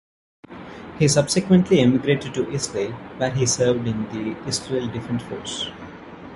He subsequently emigrated to Israel, where he served in the Israel Defense Forces.